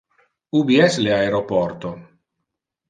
Ubi es le aeroporto?